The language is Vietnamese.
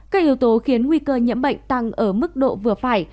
các yếu tố khiến nguy cơ nhiễm bệnh tăng ở mức độ vừa phải